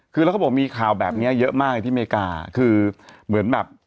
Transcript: คือแล้วเขาบอกมีข่าวแบบนี้เยอะมากเลยที่อเมริกาคือเหมือนแบบ